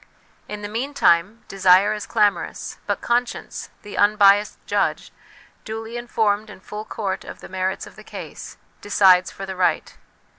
In the meantime, desire is clamorous; but conscience, the unbiassed judge, duly informed in full court of the merits of the case, decides for the right.